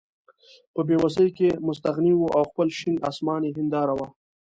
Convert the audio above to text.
په بې وسۍ کې مستغني وو او خپل شین اسمان یې هېنداره وه.